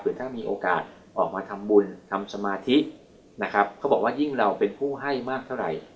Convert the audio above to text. ถ้ามีโอกาสออกมาทำบุญทำสมาธินะครับเขาบอกว่ายิ่งเราเป็นผู้ให้มากเท่าไหร่